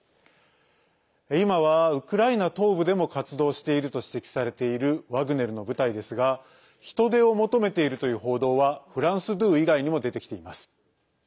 今は、ウクライナ東部でも活動をしていると指摘されているワグネルの部隊ですが人手を求めているという報道はフランス２以外にも出てきています。